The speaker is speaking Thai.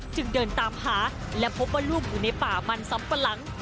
จึงเดินตามหาและพบว่าลูกอยู่ในป่ามันสำปะหลัง